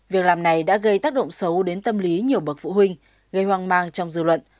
việc làm này đã gây tác động xấu đến tâm lý nhiều bậc phụ huynh gây hoang mang trong dư luận